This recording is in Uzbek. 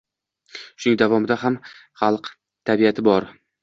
Shuning davomida ham xalq tabiati bor.